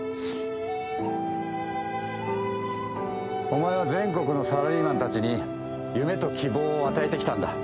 お前は全国のサラリーマンたちに夢と希望を与えてきたんだ。